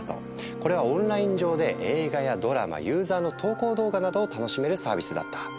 これはオンライン上で映画やドラマユーザーの投稿動画などを楽しめるサービスだった。